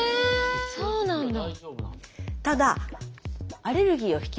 そうなんだ。